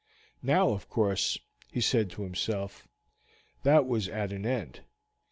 Now, of course, he said to himself, that was at an end.